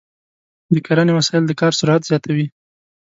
د کرنې وسایل د کار سرعت زیاتوي.